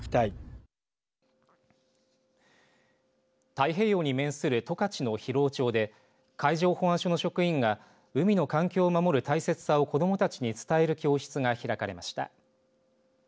太平洋に面する十勝の広尾町で海上保安署の職員が海の環境を守る大切さを子どもたちに伝える教室が開かれました。